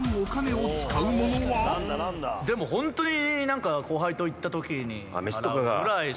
でもホントに。